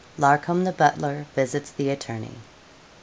LARCOM, THE BUTLER, VISITS THE ATTORNEY.